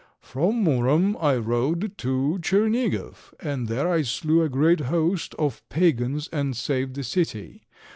"From Murom I rode to Tschernigof, and there I slew a great host of pagans and saved the city.